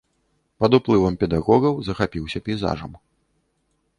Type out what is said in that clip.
Пад уплывам педагогаў захапіўся пейзажам.